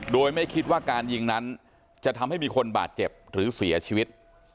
โดยไม่คิดว่าการยิงนั้นจะทำให้มีคนบาดเจ็บหรือเสียชีวิต